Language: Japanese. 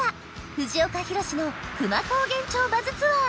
藤岡弘、の久万高原町バズツアー